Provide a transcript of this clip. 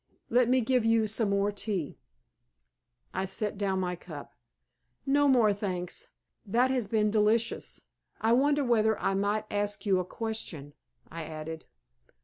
Let me give you some more tea." I set down my cup. "No more, thanks. That has been delicious. I wonder whether I might ask you a question?" I added.